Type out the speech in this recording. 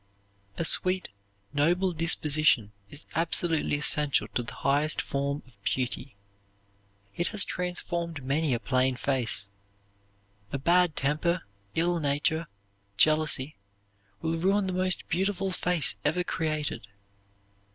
A sweet, noble disposition is absolutely essential to the highest form of beauty. It has transformed many a plain face. A bad temper, ill nature, jealousy, will ruin the most beautiful face ever created.